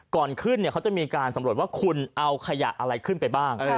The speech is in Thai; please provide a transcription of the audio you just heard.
ก่อนขึ้นเขาจะมีการสำรวจว่าคุณเอาขยะอะไรขึ้นไปบ้าง